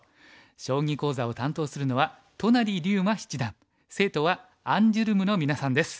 将棋講座を担当するのは都成竜馬七段生徒はアンジュルムのみなさんです。